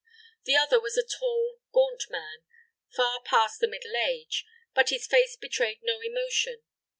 The other was a tall, gaunt man, far past the middle age, but his face betrayed no emotion.